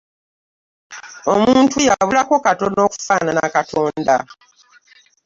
Omuntu yabulako katono okufaanana Katonda.